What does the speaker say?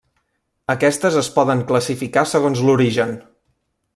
Aquestes es poden classificar segons l'origen.